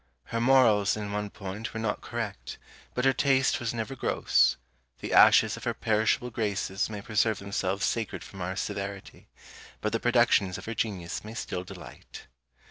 Her Morals in one point were not correct, but her taste was never gross: the ashes of her perishable graces may preserve themselves sacred from our severity; but the productions of her genius may still delight.